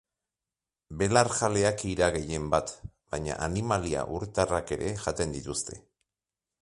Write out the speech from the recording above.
Belarjaleak ira gehienbat baina animalia urtarrak ere jaten dituzte.